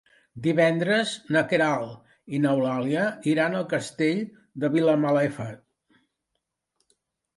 Divendres na Queralt i n'Eulàlia iran al Castell de Vilamalefa.